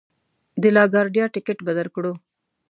د لا ګارډیا ټکټ به درکړو.